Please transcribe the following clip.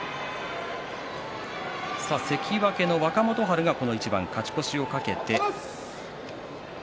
関脇の若元春がこの一番勝ち越しを懸けています。